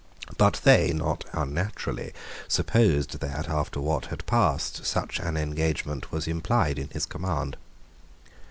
But they, not unnaturally, supposed that, after what had passed, such an engagement was implied in his command.